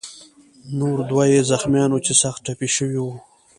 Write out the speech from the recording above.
نور دوه یې زخمیان وو چې سخت ټپي شوي وو.